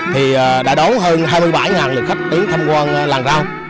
thì đã đón hơn hai mươi bảy lượt khách tiến tham quan làng rau